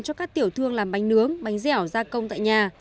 cho các tiểu thương làm bánh nướng bánh dẻo gia công tại nhà